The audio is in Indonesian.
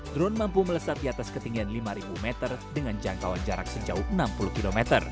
drone mampu melesat di atas ketinggian lima meter dengan jangkauan jarak sejauh enam puluh km